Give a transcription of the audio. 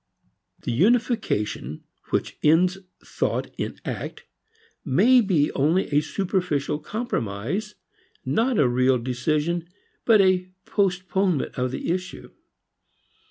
The unification which ends thought in act may be only a superficial compromise, not a real decision but a postponement of the issue.